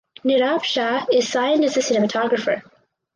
Nirav Shah is signed as the cinematographer.